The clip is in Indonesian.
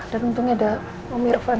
dan untungnya ada om irfan